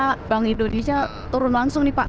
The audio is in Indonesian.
karena bank indonesia turun langsung nih pak